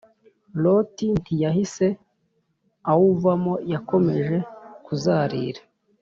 Loti ntiyahise awuvamo Yakomeje kuzarira